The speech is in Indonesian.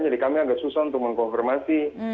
jadi kami agak susah untuk mengkonfirmasi